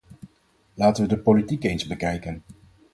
Laten we de politiek eens bekijken.